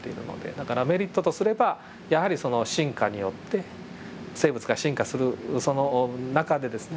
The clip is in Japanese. だからメリットとすればやはりその進化によって生物が進化するその中でですね